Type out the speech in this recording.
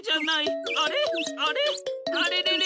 あれれれ？